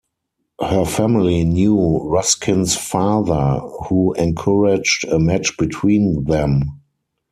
Her family knew Ruskin's father, who encouraged a match between them.